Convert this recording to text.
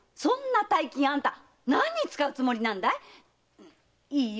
そんな大金何に遣うつもりなんだい？